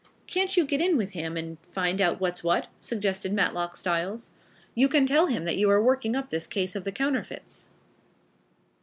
"Can't you get in with him and find out what's what?" suggested Matlock Styles. "You can tell him that you are working up this case of the counterfeits."